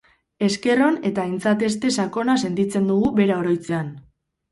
Esker on eta aintzateste sakona sentitzen dugu bera oroitzean.